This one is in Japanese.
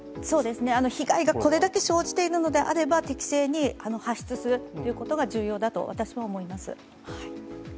被害がこれだけ生じているのであれば、適正に発出するということが重要だと、私も思います。